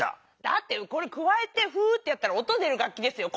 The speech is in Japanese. だってくわえてフーってやったら音出る楽きですよ。